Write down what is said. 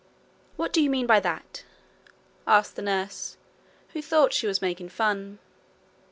'What do you mean by that?' asked the nurse, who thought she was making fun.